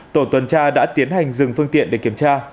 tổ tuần tra đã tiến hành dừng phương tiện để kiểm tra